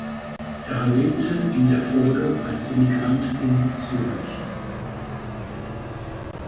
Er lebte in der Folge als Emigrant in Zürich.